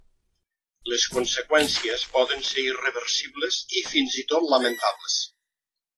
Les conseqüències poden ser irreversibles i, fins i tot, lamentables.